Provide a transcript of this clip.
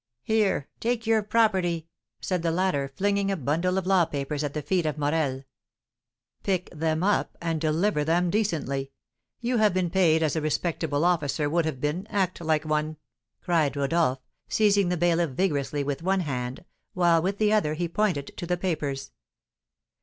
"Here, take your property," said the latter, flinging a bundle of law papers at the feet of Morel. "Pick them up, and deliver them decently; you have been paid as a respectable officer would have been, act like one!" cried Rodolph, seizing the bailiff vigorously with one hand, while with the other he pointed to the papers.